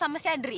kau ialah amit